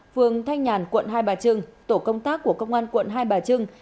phường thanh nhàn quận hai bà trưng tổ công tác của công an quận hai bà trưng